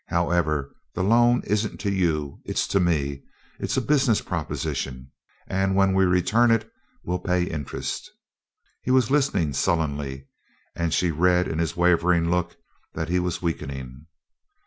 However, the loan isn't to you, it's to me; it's a business proposition, and when we return it we'll pay interest." He was listening sullenly and she read in his wavering look that he was weakening.